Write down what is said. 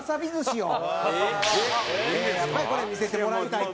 やっぱりこれは見せてもらいたいと。